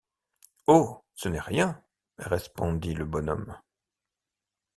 Oh ! ce n’est rien, respondit le bon homme.